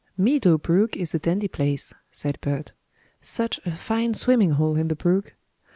"Meadow Brook is a dandy place," said Bert. "Such a fine swimming hole in the brook!"